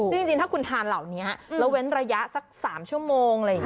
จริงถ้าคุณทานเหล่านี้แล้วเว้นระยะสัก๓ชั่วโมง